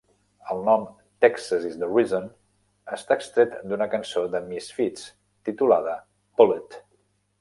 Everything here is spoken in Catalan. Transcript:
El nom "Texas Is the Reason" està extret d'una cançó de Misfits, titulada "Bullet".